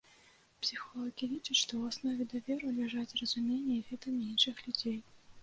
Псіхолагі лічаць, што ў аснове даверу ляжаць разуменне і веданне іншых людзей.